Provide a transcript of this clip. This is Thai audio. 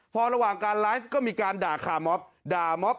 พอระหว่างการไลฟ์ก็มีการด่าขาม็อป